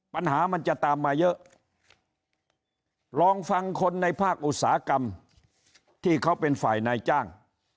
ปัญหามันจะตามมาเยอะลองฟังคนในภาคอุตสาหกรรมที่เขาเป็นฝ่ายนายจ้าง